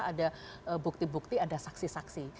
ada bukti bukti ada saksi saksi